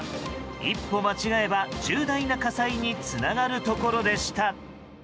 一歩間違えば重大な火災につながるところでした。